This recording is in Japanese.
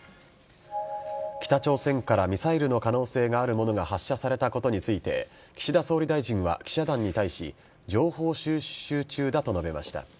北朝鮮からミサイルの可能性があるものが発射されたことについて、岸田総理大臣は記者団に対し、情報収集中だと述べました。